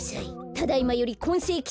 ただいまよりこんせいき